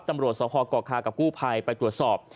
ตำรวจสหกกคกพไปตรวจสอบ